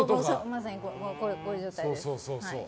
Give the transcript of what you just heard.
まさにこういう状態です。